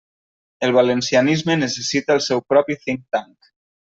El valencianisme necessita el seu propi think tank.